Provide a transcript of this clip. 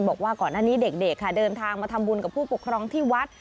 บอกว่าก่อนหน้านี้เด็กค่ะเดินทางมาทำบุญกับผู้ปกครองที่วัด